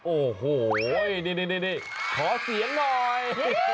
โอ้โหนี่ขอเสียงหน่อย